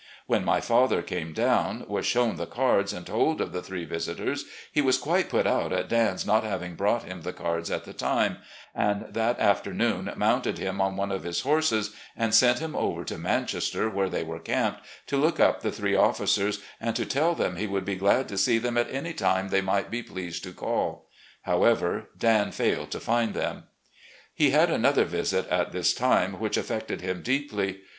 When my father came down, was shown the cards and told of the three visitors, he was quite put out at Dan's not having brought him the cards at the time, and that afternoon mounted him on i6o RECOLLECTIONS OP GENERAL LEE one of his horses and sent him over to Manchester, where they were camped, to look up the three officers and to tell them he would be glad to see them at any time they might be pleased to call. However, Dan failed to find them. He had another visit at this time which affected him deeply.